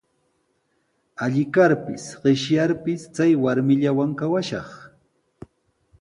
Alli karpis, qishyarpis chay warmillawan kawashaq.